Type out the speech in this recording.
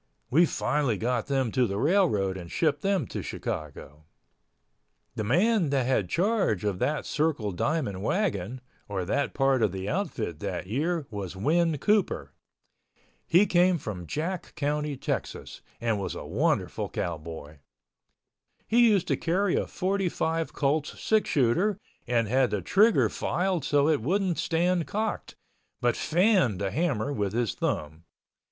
We finally got them to the railroad and shipped them to Chicago. The man that had charge of that Circle Diamond wagon, or that part of the outfit that year was Win Cooper. He came from Jack County, Texas, and was a wonderful cowboy. He used to carry a 45 Colts six shooter and had the trigger filed so it wouldn't stand cocked, but fanned the hammer with his thumb.